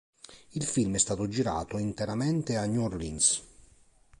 Il film è stato girato interamente a New Orleans.